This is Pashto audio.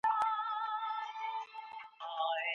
ولي زیارکښ کس د مخکښ سړي په پرتله هدف ترلاسه کوي؟